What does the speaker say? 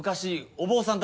お坊さん？